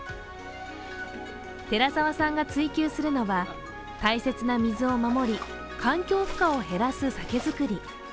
寺澤さんが追求するのは大切な水を守り環境負荷を減らす酒造り。